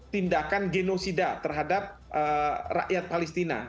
tindakan genosida terhadap rakyat palestina